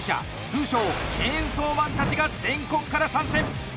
通称チェーンソーマンたちが全国から参戦。